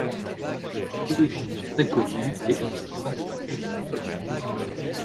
Ses origines sont inconnues et il n'était pas de naissance noble.